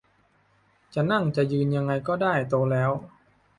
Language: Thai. จะนั่งจะยืนยังไงก็ได้ โตแล้ว